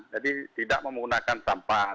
jadi tidak menggunakan sampahan